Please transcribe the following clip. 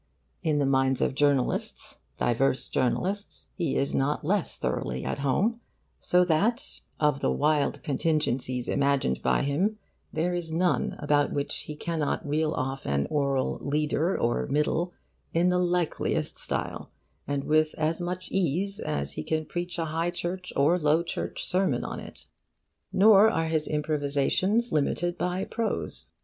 In the minds of journalists, diverse journalists, he is not less thoroughly at home, so that of the wild contingencies imagined by him there is none about which he cannot reel off an oral 'leader' or 'middle' in the likeliest style, and with as much ease as he can preach a High Church or Low Church sermon on it. Nor are his improvisations limited by prose.